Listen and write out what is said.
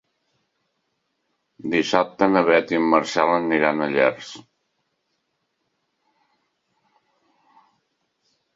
Dissabte na Beth i en Marcel aniran a Llers.